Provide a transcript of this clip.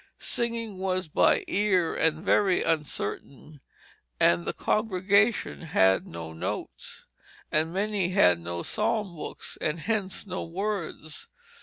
Singing was by ear and very uncertain, and the congregation had no notes, and many had no psalm books, and hence no words.